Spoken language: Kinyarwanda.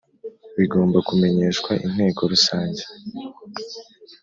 bigomba kumenyeshwa Inteko Rusange